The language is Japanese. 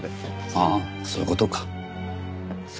ああそういう事か。